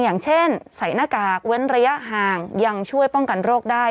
อย่างเช่นใส่หน้ากากเว้นระยะห่างยังช่วยป้องกันโรคได้